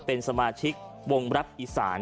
เป็นสมาชิกวงรับอีสาน